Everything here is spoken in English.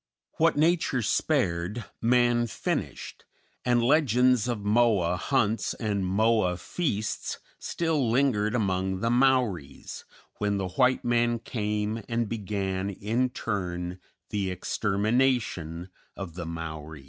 What Nature spared man finished, and legends of Moa hunts and Moa feasts still lingered among the Maoris when the white man came and began in turn the extermination of the Maori.